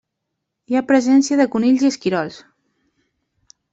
Hi ha presència de conills i esquirols.